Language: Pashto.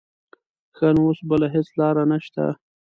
ښه نو اوس بله هېڅ لاره نه شته.